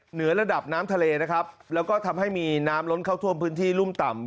เหนือระดับน้ำทะเลนะครับแล้วก็ทำให้มีน้ำล้นเข้าท่วมพื้นที่รุ่มต่ำ